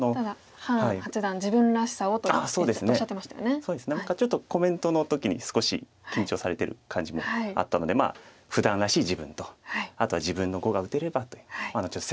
そうですね何かちょっとコメントの時に少し緊張されてる感じもあったのでふだんらしい自分とあとは自分の碁が打てればという攻めの碁ですね。